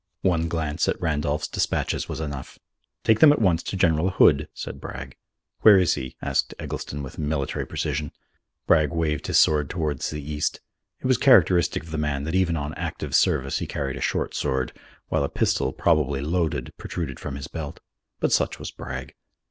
One glance at Randolph's despatches was enough. "Take them at once to General Hood," said Bragg. "Where is he?" asked Eggleston, with military precision. Bragg waved his sword towards the east. It was characteristic of the man that even on active service he carried a short sword, while a pistol, probably loaded, protruded from his belt. But such was Bragg.